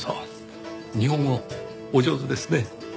日本語お上手ですね。